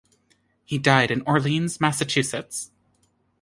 He died in Orleans, Massachusetts.